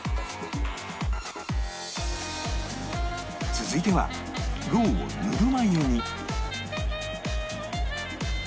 続いてはろうをぬるま湯に